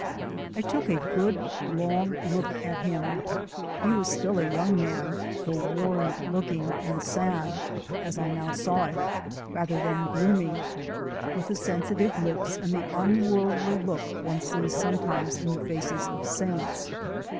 I took a good long look at him. He still a young man, though worn looking and sad as I now saw it, rather than gloomy with the sensitive lips and the unworldly look one sees sometimes in the faces of saints.